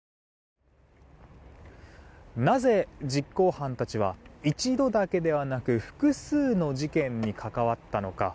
なぜ実行犯たちは一度だけではなく複数の事件に関わったのか。